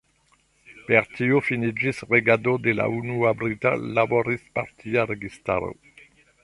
Per tio finiĝis regado de la unua brita Laborist-partia registaro.